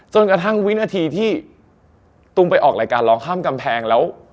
จนกระทั่งวินาทีที่ตุ้มไปออกรายการร้องข้ามกำแพงแล้ว